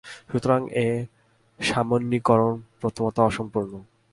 সুতরাং এই সামান্যীকরণ প্রথমত অসম্পূর্ণ।